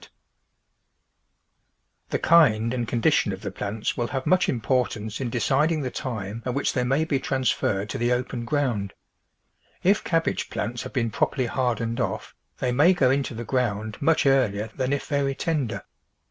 TRANSPLANTING The kind and condition of the plants will have much importance in deciding the time at which they may be transferred to the open ground. If cabbage plants have been properly hardened off they may go into the ground much earlier than if very tender.